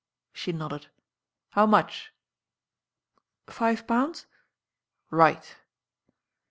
She nodded. ••How much?" "Five pounds." ' ••Right."